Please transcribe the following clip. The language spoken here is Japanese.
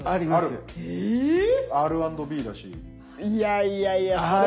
いやいやいやそれ